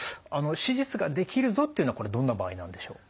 手術ができるぞっていうのはこれどんな場合なんでしょう？